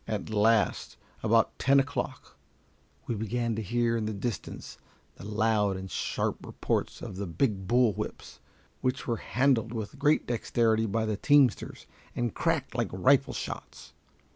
At last, about ten o'clock, we began to hear in the distance the loud and sharp reports of the big bull whips, which were handled with great dexterity by the teamsters, and cracked like rifle shots.